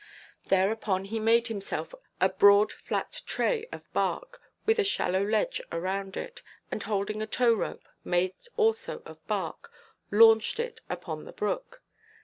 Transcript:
Thereupon he made himself a broad flat tray of bark, with a shallow ledge around it, and holding a tow–rope, made also of bark, launched it upon the brook.